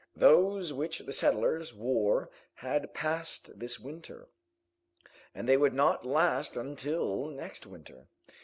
Those which the settlers wore had passed this winter, but they would not last until next winter.